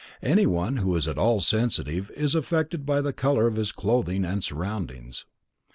Anyone who is at all sensitive is affected by the color of his clothing and surroundings.